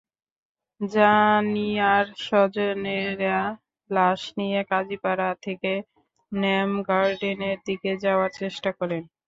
জানিয়ার স্বজনেরা লাশ নিয়ে কাজীপাড়া থেকে ন্যাম গার্ডেনের দিকে যাওয়ার চেষ্টা করেন।